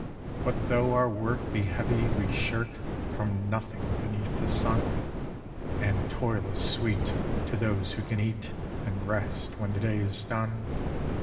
What though our work be heavy, we shirk From nothing beneath the sun; And toil is sweet to those who can eat And rest when the day is done.